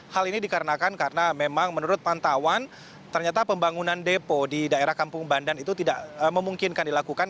hal ini dikarenakan karena memang menurut pantauan ternyata pembangunan depo di daerah kampung bandan itu tidak memungkinkan dilakukan